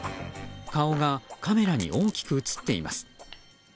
顔がカメラに大きく映っています。